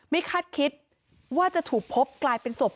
คาดคิดว่าจะถูกพบกลายเป็นศพ